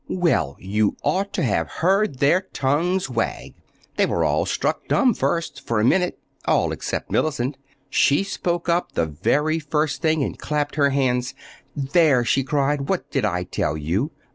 Well, you ought to have heard their tongues wag! They were all struck dumb first, for a minute, all except Mellicent. She spoke up the very first thing, and clapped her hands. "There," she cried. "What did I tell you?